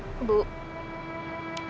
kamu harus berpikir